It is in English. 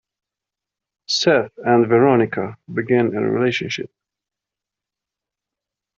Seth and Veronica begin a relationship.